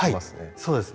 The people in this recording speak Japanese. そうですね。